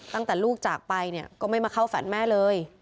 ตั้งแต่ลูกจากไปเนี่ยก็ไม่มาเข้าฝันแม่เลย